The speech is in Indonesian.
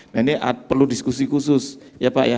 nah ini perlu diskusi khusus ya pak ya